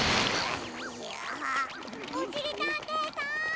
おしりたんていさん。